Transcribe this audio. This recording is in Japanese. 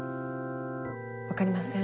分かりません。